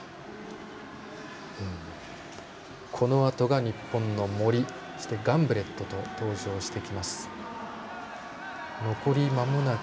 このあとが日本の森そしてガンブレットと登場してきます。